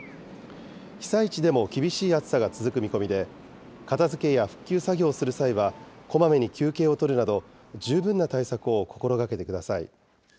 被災地でも厳しい暑さが続く見込みで、片づけや復旧作業をする際は、こまめに休憩をとるなど、十分な対策を心がけてください。